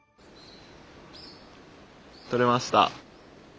採れました。